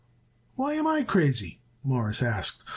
"Why am I crazy?" Morris asked.